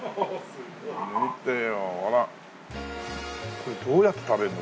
これどうやって食べるの？